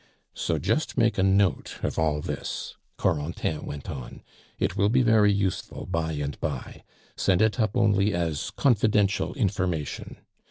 "So just make a note of all this," Corentin went on; "it will be very useful by and by; send it up only as confidential information.